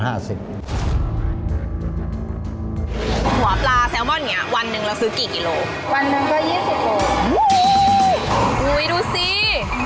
หัวปลาแซลมอนนี้วันหนึ่งเราซื้อกี่กิโล